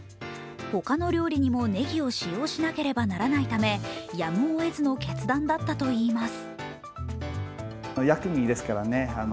他の料理にもねぎを使用しなければならないためやむを得ずの決断だったといいます。